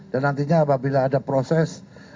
dan nantinya apabila ada proses